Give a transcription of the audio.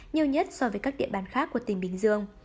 nhiều nhất so với các địa bàn khác của tỉnh bình dương